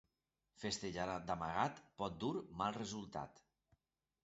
Festejar d'amagat pot dur mal resultat.